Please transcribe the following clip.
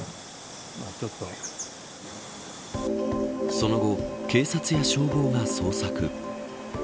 その後、警察や消防が捜索。